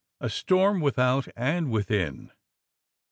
A STORM WITHOUT AND WITHIN.